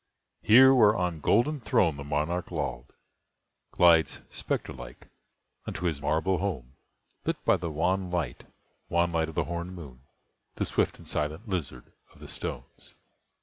Here, where on golden throne the monarch lolled, Glides, spectre like, unto his marble home, Lit by the wanlight—wan light of the horned moon, The swift and silent lizard of the stones!